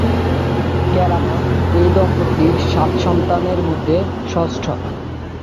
কেরামত এই দম্পতির সাত সন্তানের মধ্যে ষষ্ঠ।